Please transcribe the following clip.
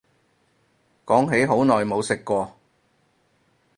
講起好耐冇食過